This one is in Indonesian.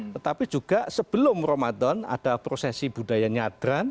tetapi juga sebelum ramadan ada prosesi budaya nyadran